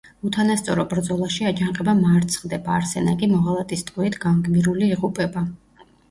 უთანასწორო ბრძოლაში აჯანყება მარცხდება, არსენა კი მოღალატის ტყვიით განგმირული იღუპება.